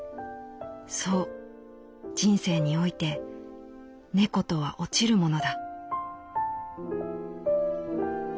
そう人生において猫とは落ちるものだ」。